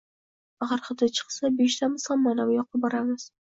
— Agar hidi chiqsa, beshtamiz ham manavi yoqqa boramiz.